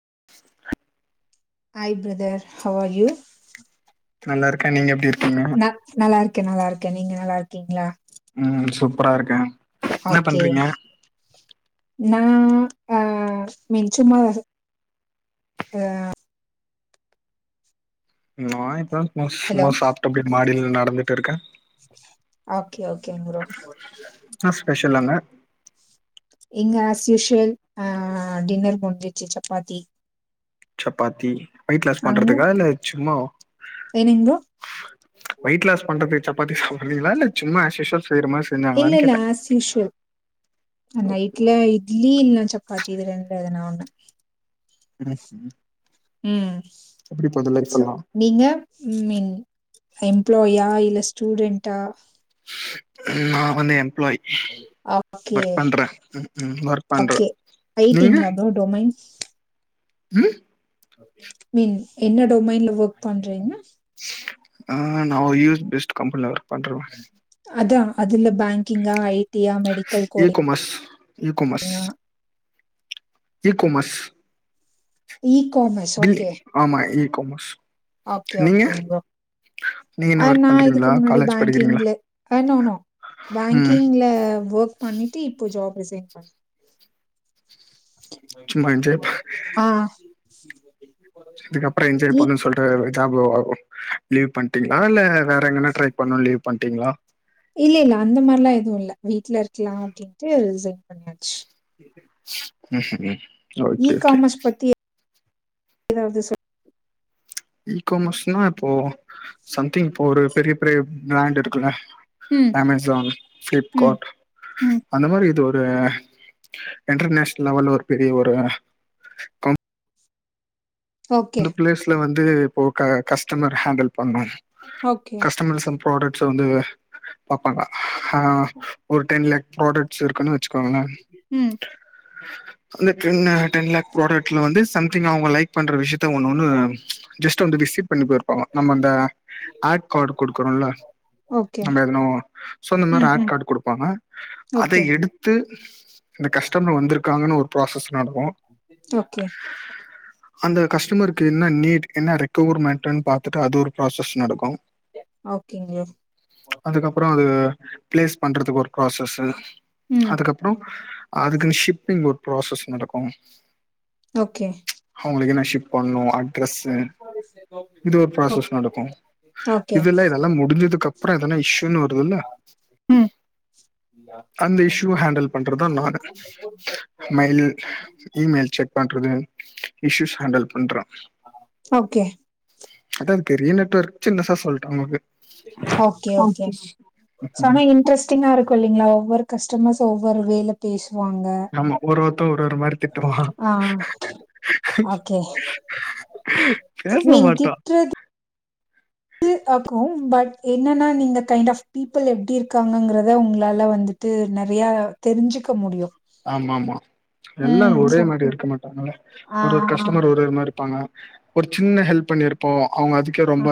[inaudible] Hi brother how are you நல்லா இருக்கே நீங்க எப்டி இருக் ந நல்லாருக்கே நல்லாருக்கே நீங்க நல்லா இருக்கீங்ளா ம் சூப்பரா இருக்கே இன்ன பண்றீங்க நா அ மீன் சும்மா தா இருக் அ நா இப்பதா சும்மா ஹலோ சும்மா சாப்ட்டப்டே இப்படி மாடில் நடந்துட்டுருக்கே ஓகே ஓகேங் ப்ரோ என்ன ஸ்பெஷல் அங்க இங்க ஆஸ்யூஷ்வல் அ டின்னர் முஞ்சிச்சு சப்பாத்தி சப்பாத்தி வெயிட் லாஸ் அங்க பண்றதுக்கா இல்ல சும்மாவா என்னங்க ப்ரோ வெயிட் லாஸ் பண்றதுக் சப்பாத்தி சாப்புறீங்களா இல்ல சும்மா ஆஸ்யூஸ்வல் இல்ல இல்ல ஆஸ்யூஷ்வல் ன நைட்ல இட்லி இல்ல சப்பாத்தி இது ரெண்டுல எதுனா ஒன்னு ம் ம் ம் சோ நீங்க மீன் எம்ப்ளாயா இ இல்ல ஸ்டூடெண்ட்டா நா வந்து எம்ப்ளாய் ஓகே ஒர்க் பண்றேன் ம் ஒர்க் பண்றேன் ஓகே ஐ நீங்க டிங்ளா ப்ரோ டொமைன் ம் மீன் என்ன டொமைன்ல ஓக் பண்றீங்க அ நா ஒரு யூ எஸ் பேஸ்ட் கம்பெனில ஒர்க் பண்ற [unintelligible] இதுல பேங்கிங்கா ஐ டியா மெடிக்கல் இ காமர்ஸ் கோடிங்கா இகோமஸ் இ காமர்ஸ் பில்லி ஓகே. ஆமா இகாமஸ் ஓகே ஓகேங் ப்ரோ நீங்க என்ன அ ஒர்க் நா பண்றீங்களா இதுக்கு முன்னாடி காலேஜ் படிக்கிறீங்களா பேங்கிங்ல அ நோ நோ ம் பேங்கிங்ல வெக் பண்ணிட்டு இப்போ ஜாப் ரிசைன் பண் சும்மா நெஞ்சடைப்பு ஆ. [unintelligible] இதுக்கப்பறோ என்ஜாய் இ பண்ணுண் சொல்ட்டு ஜாப்பு ஒ லீவ் பண்ட்டீங்ளா இல்ல வேற எங்கன்னா ட்ரை பண்ணுனு லீவ் பண்ட்டீங்ளா இல்ல, இல்ல அந்த மாரிலா எதுவு இல்ல வீட்ல இருக்கலா அப்டின்ட்டு ரிசைன் பண்ணியாச்சு ம் ம் ஓகே ஓகே எதாவ்து சொ ஈகாமஸ்னா இப்போ சம்திங் இப்போ ஒரு பெரிய பெரிய பிராண்ட் இருக்குல ம், அமேசான் ம், ஃப்ளிப்காட் ம். அந்த மாரி இது வ ஒரு இன்டர்நேஷ்ன்ல் லெவல்ல ஒரு பெரிய ஒரு கம் ஓகே, இந்த ப்ளேஸ்ல வந்து இப்போ க கஸ்டமர் ஹேண்டில் பண்ணு ஓகே ப்ராடெக்ஸ்ஸ வந்து பாப்பாங்க அ ஒரு டென் லேக் ப்ராடெக் ஸ் இருக்குன்னு வெச்சுக்கோங்களே ம். அந்த டென்ன டென் லேக் ப்ராடெக்ட்ல வந்து சம்திங் அவுங்க லைக் பண்ற விஷ்ய த்து ஒன்னு ஒன்னு ஜஸ்ட் வந்து விசிட் பண்ணி போய்ருப்பாங்க நம்ம அந்த ஆட் காடு குடுக்குறுல்ல ஓகே. நம்ம எதன சோ இந்த மாரி ம், ஆட் ம். காடு குடுப்பாங்க அத ஓகே. எடுத்து இந்த கஸ்டமர் வந்திருக்காங்கன் ஒரு ப்ராசஸ் நடக்கு ஓகே. அந்த கஸ்டமருக்கு என்ன நீட் என்ன ரெக்கவர்மெண்ட்டுன் பாத்துட்டு அது ஒரு ப்ராஸ்சஸ் நடக்கு ஓகேங்க ப்ளேஸ் பண்றதுக்கு ஒரு ப்ராஸ்சஸு ம் அதுக்கப்றோ அதுக்குனு ஷிப்பிங் ஒரு ப்ராஸ்சஸ் நடக்கு ஓகே அவங்குளுக்கு என்ன ஷிப் பண்ணூ அட்ரஸ்ஸு இது ஒரு ஓக் ப்ராசஸ் நடக்கூ ஓகே இதுல இதெல்லா முடிஞ்சதுக்கப்புறோ எதனா இஷ்யூன் வருதுல்ல ம் அந்த இஷ்யூவ ஹேண்டுல் பண்றதா நானு மயில் இ மெயில் செக் பண் ட்ருவே இஷுஸ் ஹேண்டல் பண்றா ஓகே அதா பெரிய நெட்ஒர்க் சின்னசா சொல்ட்டா உங்குக்கு ஓகே ஓகே சோ ஆனா இன்ட்ரெஸ்டிங்கா இருக்கூ இல்லிங்ளா ஒவ்வொர் கஸ்டமர்ஸு ஒவ்வொர் வேல பேஸ் சுவாங்க ஆமா ஒரு ஒருத்தன் ஒரு ஒரு மாதிரி திட்டுவான் ஆ ஓகே நீங் திட்றத் ஹ காக்கூ பட் என்னனா நீங்க கைன்ட் ஆஃப் பீபுள் எப்டி இருக்காங்கங்கிறத உங்களால வந்துட்டு ந வியா தெரிஞ்சுக்க முடியு ஆமாமா எல்லார் ம் ஒரே சோ மாரி இருக்க மாட்டாங்கல ஆ ஒர் ஒர் கஸ்டமர் ஒர் ஒர் மாரி பாங்க ஒரு சின்ன ஹெல்ப் பண்ணிருப்போ அவுங்க அதுக்கே அ ரொம்ப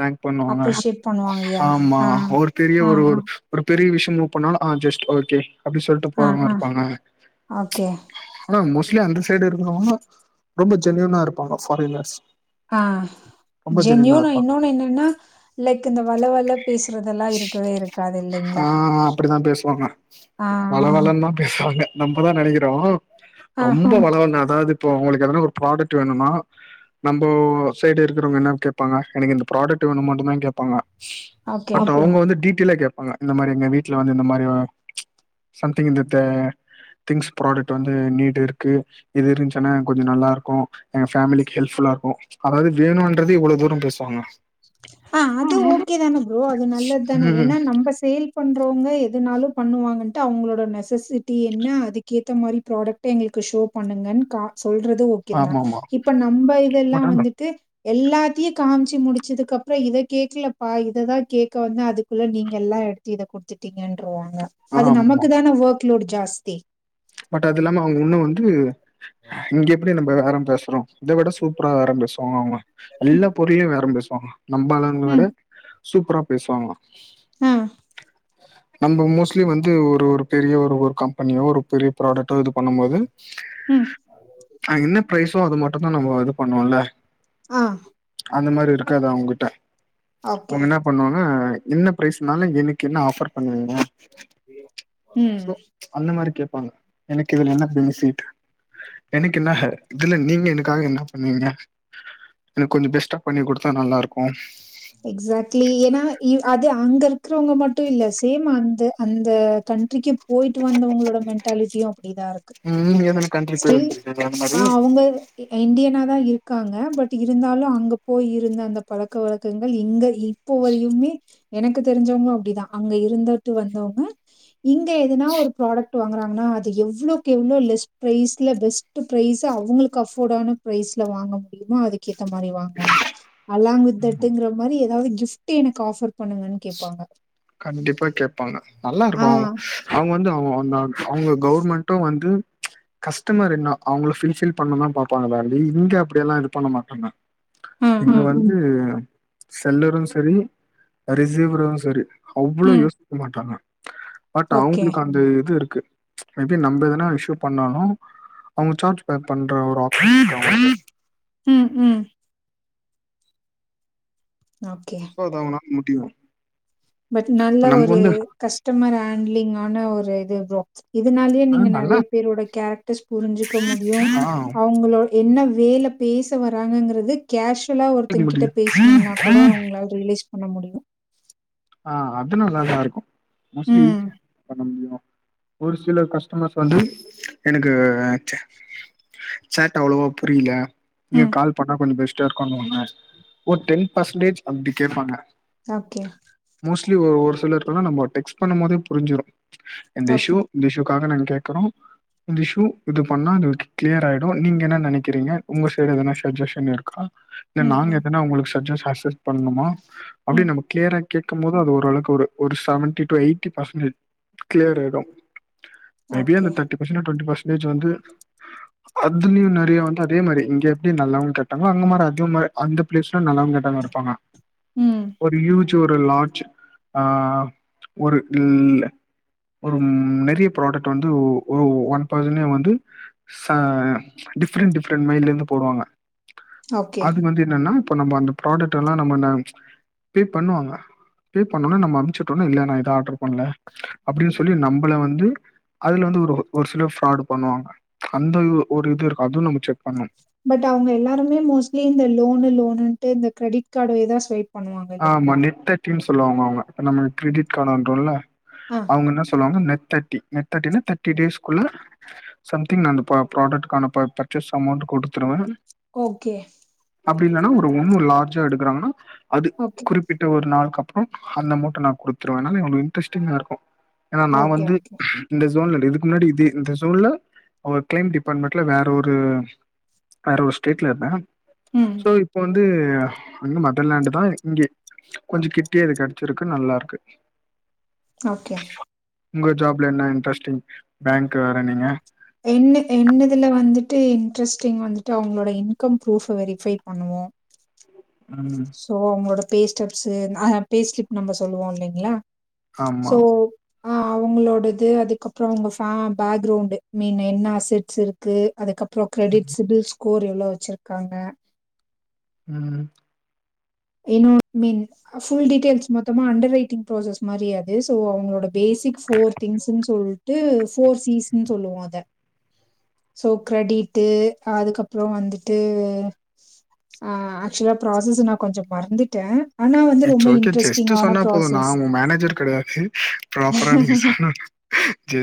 தேங்க் பண்ணுவாங்க அப்ரிஷியேட் பண்ணுவாங்கயா ஆமா ஆ ஒரு பெரிய ஆ ஒரு ஆ ஒரு ஒருப் பெரிய விஷ்யோ மூவ் பண்ணாலு ஆ ஜஸ்ட் ஓகே அப்டின் சொல்ட்டு ஆ ஆ போவாங்க அ ஓகே ஆனா மோஸ்ட்லி அந்த சைடு இருக்கிறவுங் நோ ரொம்ப ஜென்யூனா இருப்பாங்க ஃபாரினர்ஸ் ஆ ரொம்ப ஜென்யூனா இருப்பாங்க இன்னொன்னு என்னன்னா லைக் இந்த வலவல பேசுறதெல்லா இருக்கவே இருக் ஆ அப்டிதா பேசுவாங்க ஆ, வலவலன் தா பேசுவாங்க நம்மதா நெனைக்கிறோ ஆ ரொம்ப வலவலன் அதாவ்து இப்ப உங்களுக்கு எதனா ஒரு ப்ராடக்ட் வேணுனா நம்போ சைடு இருக்கிறவுங்க என்னா கேப்பாங்க எனக்கு இந்த ப்ராடக்ட் வேணு மட்டுதா கேப்பாங்க ஓகே. பட் அவுங்க வந்து டீடெய்லா கேப் வாங்க இந்த மாரி எங்க வீட்ல வந்து இந்த மாரி ஆ சம்திங் இந்த த திங்ஸ் ப்ராடக்ட் வந்து நீ்டு இருக்கு இது இருந்துச்சனா கொஞ்சோ நல்லாருக்கூ எங்க ஃபேமிலிக்கு ஹெல்ப்ஃபுல் லாருக்கூ அதாவ்து வேணுன்றதே இவ்ள தூரோ பேசுவாங்க ஆ அது ஓகே தான ப்ரோ அது நல்லத் தானே ம் ஏனா நம்ப சேல் பண்றவுங்க எதனாலு பண்ணுவாங்கன்ட்டு அவுங்ளோட நெசசிட்டி என்ன அதுக்கேத்த மாரி ப்ராடக்ட் எங்கள்க் கு ஷோ பண்ணுங்கன் கா சொல்றது ஓகே தான ஆமா ஆமா இப்ப நம்ம இதெல்லா பட் வந்துட்டு எல்லாத்தியு காம்ச்சி முடிச்சதுக்கப் றோ இத கேக்கலேப்பா இததா கேக்க வந்தே அதுக்குள்ள நீங்க எல்லா எடுத்து இத குடுத்துட்டீங்கன் ட்ருவாங்க அது ஆமா நமக்கு தானே வர்க்லோட் ஜாஸ்தி பட் அதுல்லாம அவுங்க உன்னூ வந்து இங்க எப்டி நம்ப அரம்டஸ் றோ இத விட சூப்பரா வேற பேசுவாங்க அவுங்க ம், எல்லா புரியவேறம் பேசுவாங்க நம்பலாங்ளட ம். சூப்பரா பேசுவாங்க ஆ. நம்ம மோஸ்ட்லி வந்து ஒரு ஒரு பெரிய ஒரு ஒரு கம்பெனியோ ஒரு பெரிய ப்ராடக்டோ இது பண்ணும் போது ம். என்ன பிரைஸோ அது மட்டுதா நம்ம இது பண்ணுவோல்ல ஆ அந்த மாரி இருக்காது அவுங்க்கிட்ட ஓகே. அவுங்க என்ன பண்ணுவாங்க என்ன பிரைஸ்னாலு எனக்கு என்ன ஆஃபர் பண்ணுவீங்க பீன் சோ அந்த மாரி கேப்பாங்க எனக்கு இதுல என்ன பென்ஃபிட் எனக்கு என்ன ஹ இதுல நீங்க எனக்காக என்ன பண்ணுவீங்க எனக்கு கொஞ்சோ பெஸ்ட்டா பண்ணி குடுத்தா நல்லாருக்கூ எக்ஸாக்ட்லி ஏனா இ அது அங்க இருக்கிறவுங்க மட்டு இல்ல சேம் அந்த அந்த கண்டட்ரிக்கு போயிட்டு வந்தவங்ளோட மென்டாலிட்டியு ப்டிதா இருக்கு நீங்க எதன கண்ட்ரி போய் ஸ்டில் வந்திருக்கீங்க அந்த மாரி ஆ அவுங்க இண்டியனா தா இருக்காங்க பட் இருந்தாலு அங்க போய் இருந்த அந்த பழக்க வழக் துங்கள் எங்க இப்போ வழியுமே எனக்கு தெரிஞ்சவ்ங்க அப்டிதா அங்க இருந்தோட்டு வந்தவுங்க இங்க எதுனா ஒரு ப்ராடக்ட் வாங்குறாங்கனா அது எவ்ளோக்கு எவ்ளோ லெஸ் பிரைஸ்ல பெஸ்ட்டு ப்ரைஸ் அவுங்ளுக்கு அஃபோர்டான ப்ரரைஸ்ல வாங்க முடியுமா அதுக்கேத்த மாரி வாங்வாங்க அலாங் வித் தட் டுங்றமாரி ஏதாவ்து கிஃப்ட்டு எனக்கு ஆஃபர் பண்ணுங்கன் கேப்பாங்க கண்டிப்பா கேப்பாங்க நல்லாருக்கு ஆ அவ்ங் அவுங்க வந்து அவொ வந்தா அவுங்க கவுர்மண்ட்டு வந்து கஸ்டமர் என்ன அவுங்ள ஃபில்ஃபில் பண்ணுதா பாப்பாங்கலாண்டி இங்க அப்படியல்லா இது பண்ண மாட்டாங்க ம் இங்க ம் வந்து செல்லரு சரி ரிசிவரு சரி அவ்ளோ ம் யோசிக் மாட்டாங்க பட் ஓகே அவுங்ளுக்கு அந்த இது இருக்கு மேபி நம்ப எதனா இஷூ பண்ணாலு அவுங்க சார்ஜ் பே பண்ற ஒரு ஆப் [inaudible] ம் ம் ஓகே முட்டியு பட் நல்ல ஒரு கஸ்டமர் ஆண்லிங்கான ஒரு இது ப்ரோ இதுனால்யே ஆ நீங்க நல்லா நெற்ய பேரோட கேரக்டர்ஸ் புரிஞ்சுக்க முடியு ஆ அவுங்களோடு என்ன வேல பேச வராங்கங்றது கேஷ் துல ஒருத்தங் கிட்ட முடியு பேசஸ்னிங்னா கூட உங்ளால ரிய்லீஸ் பண்ண முடியு அ அது நல்லாதா இருக்கு மோஸ்லி ம் பண்ண முல்லுயோ ஒரு சில கஸ்டமர்ஸ் வந்து எனுக்கு ஏய் [inaudible] சேட் அவ்ளோவா புரிய்ல நியு ம் கால் பண்ணா கொஞ்சொ பெஸ் டேர் கொன்னுவங்க ஒரு டென் பர்ஸ்ன்டேஜ் அப்டி கேப்பாங்க ஓகே மோஸ்லி ஒ ஒரு சிலர்க்கலா நம்ம டெக்ஸ்ட் பண்ணுமோதே புரிஞ்சிரு எந்த இஷு ஓகே இந்த இஷு காக நாங் கேக்கறோ இந்த ஷூ இது பண்ணா அதுவுக் க்ளியர் ஆயிடு நீங்க என்ன நெனக்கிறீங்க ஒங்க சைட் எதனா ஷஜ்ஜஷன் இரு இல்ல ம் நாங் ம் எதனா ஒங்ளுக்கு ஷஜஸ் அக்சஸ் பண்ணுமா அப்டி ம் நம்ம கியர கேக்கம்மோது அது ஓரளக்கு ஒரு ஒரு சவன்டி டூ எய்ட்டி பசனே க்ளியர் ஆய்டு மேபி ஓகே அந்த தர்ட்டி பர்சடூ டொன்டி பர்ஸ்ண்டேஜ் வந்து அதுல்யு நறுய வந்து அதே மாரி இங்க எப்டி நல்லவ கெட்டங்ளோ அங்க மார் அத்யு மார அந்த ப்ளேஸ்லு நல்லவ்ங்க டங் இருப்பாங்க ம் ஒரு யூஜ் ஒரு லார்ஜ் ஆ ஒரு இல் ல ஒரும் நெறிய ப்ராடக்ட் வந்து ஒ ஒரு ஒன் பர்சனே வந்து ச டெஃப்ரண் டெஃப்ரண் மைல்லேந்து போடுவாங்க ஓகே அது வந்து என்னனா இப்ப நம்ம அந்த ப்ராடெட்டலா நம்மன பே பண்ணுவாங்க பே பண்ணோனே நம்ம அம்ச்சுட்டனே இல்ல நா இத ஆட்ர் பண்ல அப்டினு சொல்லி நம்பள வந்து அதுல வந்து ஒரு ஒரு சிலர் ஃப்ராடு பண்ணுவாங்க அந்தயு ஒரு இது இருக்கு அதும் நம்ப செக் பண்ணு பட் அவுங்க எல்லாருமே மோஸ்லி இந்த லோனு லோனுன்ட்டு இந்த கிரடிட் காடுவே தா ஸ்வைப் பண்ணுவாங்க ஆமா இல்லைங்களா? நெட் தர்ட்டின் சொல்வாங்க அவுங்க நம்முழ் க்ரிடிட் காட் அன்றோன்ல ஆ அவுங்க ன்ன சொல்வாங் நெ தெட்டி நெட்தெட்டினா தெர்ட்டி டேஸ்குள்ள சம்திங் நந்து ப ப்ராடட்டுக்கான ப பர்சஸ் அமோண்டு குடுத்துருவ ஓகே அப்டி இல்லனா ஒரு இன்னு லார்ஜா எடுக்குறாங்கனா அது ஓகே. குறிப்பிட்ட ஒரு நாள்க்கா அந்த அமூட்ட நா குடுத்துர்வ நாலே ஒனக் இன்ட்ரெஸ்டிங்கா இருக்கு எனா நா ஓகே, வந்து ஓகே. இந்த ஸோன்லடு இதுக்ம்ன்னாடி இதே இந்த சோன்ல ஓர் க்ளைம் டிபான்மண்ட்ல வேற ஒரு வேற ஒரு ஸ்டேட்ல இருந்த ம். சோ இப் வந்து வந்து மதர்லேண்டு தா இங்கே கொஞ்சு கிட்யே இது கெட்ச்சிருக்கு நல்லாருக்கு ஓகே உங்க ஜாப்ல என்ன இன்ட்ரெஸ்ட்டிங் பேங்க் வேற நீங்க என்னு என்னுதுல வந்துட்டு இன்ட்ரெஸ்டிங் வந்துட்டு அவங்ளோட இன்கம் ப்ரூஃப வெரிஃபை பண்ணுவோ ம் சோ அவங்களோட பே ஸ்டெப்ஸ் ஆஹ பே சிலிப் நம்ப சொல்லுவோ இல்லைங்ளா ஆமா ஆ அவுங்களோடது அதுக்கப்புற அவுங்க ஃபே பேக்ரௌண்டு் மெய்னா என்ன அசெட்ஸ் இருக்கு அதுக்கப்புற கிரெடிட்ஸ் பில்ஸ் கோர் எவ்ளோ வெச்சிருக்காங்க ம் you know I mean full details மொத்தமா அண்டர் ரைட்டிங் ப்ராசஸ் மாரி அது சோ அவங்களோட பேசிக் ஃபோர் திங்க்ஸ்னு சொல்ட்டு ஃபோர் சீஸ்னு சொல்லுவோ அத சோ கிரடிட்டு அதுக்கப்புற வந்துட்டு ஆ ஆக்சுலா ப்ராசஸ் நா கொஞ்ச மறந்துட்ட இட்ஸ் ஓகே ஜஸ்ட் சொன்னா போது நா உங்க மேனேஜர் கெடையாது ப்ராப்பரா நீங்க சொல்னனு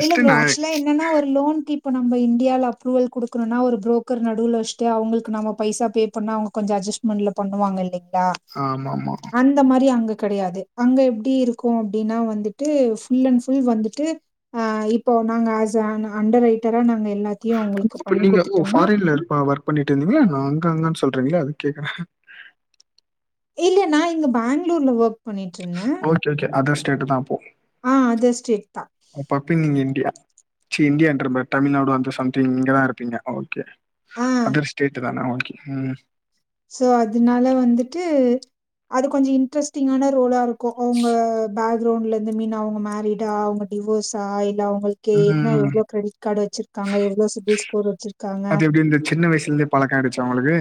இல்ல ப்ரோ ஆக்சுலா என்னனா ஒரு லோன்க்கு இப்ப நம்ம இன்டியால அப்ரூவல் குடுக்கணுனா ஒரு பு்ரோக்கர் நடுவ்ல வெச்ட்டு அவுங்ளுக்கு நாம பைசா பே பண்ணா அவுங்க கொஞ்ச அஜ் அட்ஜஸ்ட்மென்ட்ல பண்ணுவாங்க இல்லைங்ளா ஆமாமா. அந்த மாரி அங்க கெடையாது அங்க எப்டி இருக்கு அப்டினா வந்துட்டு ஃபுல் அண்ட் ஃபுல் வந்துட்டு இப்போ நாங்க ஆஸ் ஆன் அண்டர் ரைட்டரா நாங்க எல்லாத்தையும் அவங்களுக்கு அப்ப பண்ணி நீங்க ஓ குடுத்துட்டோம்னா ஃபாரின்ல இரு ஒர்க் பண்ணிட்ருந்திங்ளா என்ன அங்க அங்கன் சொல் றிங்ளே அதுக் கேக்கற இல்ல நா இங்க பெங்களூர்ல work okay okay other state தா அப்போ ஆ அதர் ஸ்டேட் தான். வக் இன் இன்டியா ச்சீ இன்டியான்ற பாரு தமிழ்நாடு அந்த சம்திங் இங்கதா இருப்பிங்க ஓகே ஆ அதர் ஸ்டேட்டு தானா வக் இன் [unintelligible] சோ அதுனால வந்துட்டு அது கொஞ்ச இன்ட்ரெஸ்டிங்கான ரோலா இருக் கு அவுங்க பேக்ரௌண்ட்ல இருந்து ஐ மீன் அவுங்க மேரிடா அவுங்க டிவோர்ஸா இல்ல அவுங் குளுக்கு என்ன ம். எவ்ளோ கிரெடிட் கார்டு வச்சிருக்காங்க எவ்ளோ சிபில் ஸ்கோர் வச்சிருக்காங்க இப்ப கேட்டுச்சா உங்களுக்கு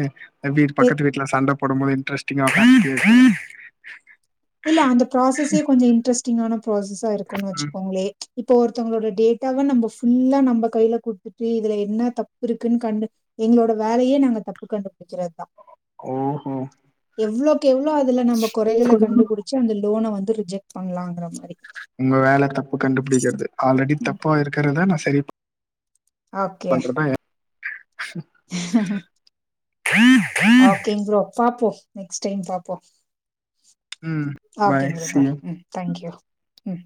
எப்டி எ பக்கத்து வீட்ல சண்ட போடும்போது இன்ட்ரெஸ்டிங்கா [inaudible] இல்ல அந்த ப்ராசஸே கொஞ்ச இன்ட்ரெஸ்டிங்கான ப்ராசஸா இருக்குன் ம். வச்சுக்கோங்ளே இப்போ ஒருத்தங்களோட டேட்டாவ நம்ப ஃபுல்லா நம்ம கைல குடுத்துட்டு இதுல என்ன தப்பு இருக்குன் கண்டு எங்களோட வேலையே நாங்க தப்பு கண்டுபிடிக்றதுதா ஓஹோ எவ்ளோக் எவ்ளோ அதுல நம்ம கொறைகள கண்டு புடிச்சு அந்த லோன வந்து ரிஜெக்ட் பண்ணலான்ற மாரி உங்க வேல தப்பு கண்டுபிடிக்கிறது ஆல்ரெடி ம். தப்பா இருக்கறத நா சரி ஓகே பண்றதா ஓகேங் ப்ரோ பாப்போ நெக்ஸ்ட் டைம் பாப்போ ம் ஓகேங் ப்ரோ சி யூ பாய் ம் தேங்க்யூ ம்